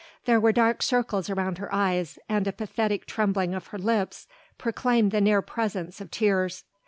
There were dark circles round her eyes, and a pathetic trembling of her lips proclaimed the near presence of tears.